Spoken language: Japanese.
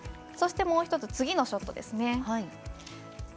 そして、もう１つ次のショットです。